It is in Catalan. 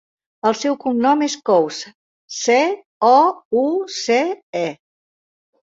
El seu cognom és Couce: ce, o, u, ce, e.